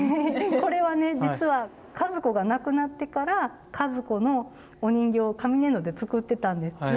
これはね実は和子が亡くなってから和子のお人形を紙粘土で作ってたんです。